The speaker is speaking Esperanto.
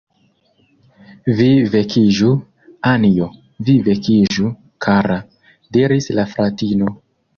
"Vi vekiĝu, Anjo, vi vekiĝu, kara," diris la fratino.